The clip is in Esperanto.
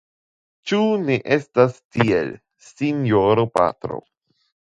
Ĉu ne estas tiel, sinjoro patro?